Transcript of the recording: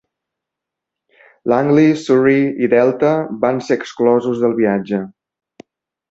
Langley, Surrey i Delta van ser exclosos del viatge.